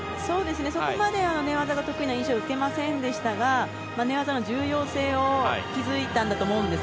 そこまで寝技が得意な印象受けませんでしたが寝技の重要性に気づいたんだと思うんです。